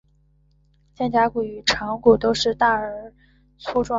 肩胛骨与肠骨都是大而粗壮。